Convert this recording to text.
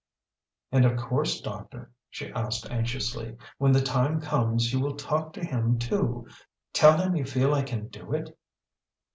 "And of course, doctor," she asked anxiously, "when the time comes you will talk to him too tell him you feel I can do it?"